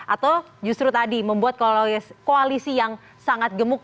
atau justru tadi membuat koalisi yang sangat gemuk